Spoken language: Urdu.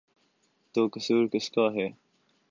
تو قصور کس کا ہے؟